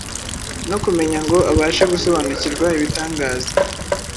no kumenya ngo abashe gusobanukirwa ibitangaza